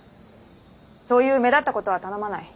そういう目立ったことは頼まない。